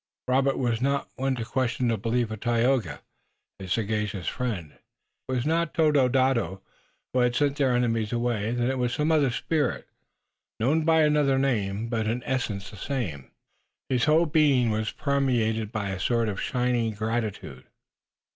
Robert was not one to question the belief of Tayoga, his sagacious friend. If it was not Tododaho who had sent their enemies away then it was some other spirit, known by another name, but in essence the same. His whole being was permeated by a sort of shining gratitude.